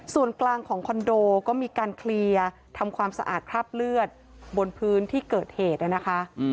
ส่วนกลางของคอนโดก็มีการเคลียร์ทำความสะอาดคราบเลือดบนพื้นที่เกิดเหตุนะคะ